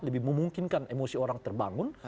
lebih memungkinkan emosi orang terbangun